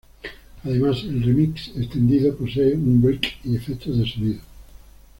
Además el "remix" extendido posee un "break" y efectos de sonido.